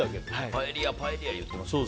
パエリア、パエリア言ってますよね。